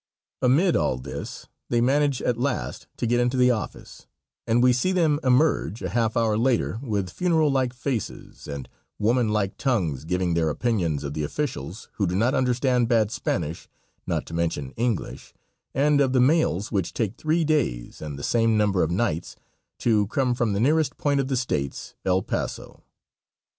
Amid all this they manage at last to get into the office, and we see them emerge, a half hour later, with funeral like faces, and woman like tongues giving their opinions of the officials who do not understand bad Spanish, not to mention English, and of the mails which take three days and the same number of nights to come from the nearest point of the States, El Paso.